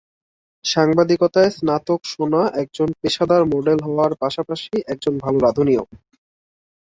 সাংবাদিকতায় স্নাতক শোনা একজন পেশাদার মডেল হওয়ার পাশাপাশি একজন ভালো রাঁধুনিও।